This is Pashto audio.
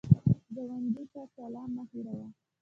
ګاونډي ته سلام مه هېروه